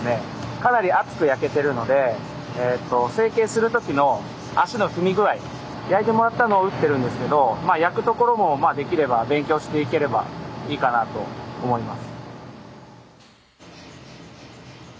かなり熱く焼けてるのでえと成形する時の足の踏み具合焼いてもらったのを打ってるんですけどまあ焼くところもできれば勉強していければいいかなと思います。